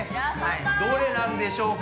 どれなんでしょうか？